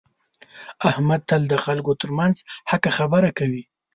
احمد تل د خلکو ترمنځ حقه خبره کوي.